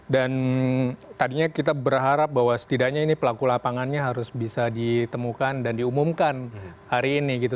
dan tadinya kita berharap bahwa setidaknya ini pelaku lapangannya harus bisa ditemukan dan diumumkan hari ini gitu